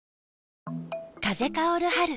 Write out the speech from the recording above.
風薫る春。